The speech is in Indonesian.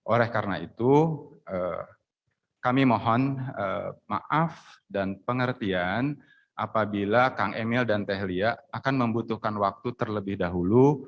oleh karena itu kami mohon maaf dan pengertian apabila kang emil dan tehlia akan membutuhkan waktu terlebih dahulu